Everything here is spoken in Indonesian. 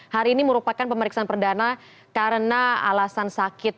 hari ini merupakan pemeriksaan perdana karena alasan sakit